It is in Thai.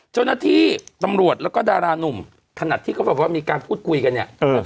เจ้าหน้าที่ตำรวจแล้วก็ดารานุ่มขนาดที่เขาบอกว่ามีการพูดคุยกันเนี่ย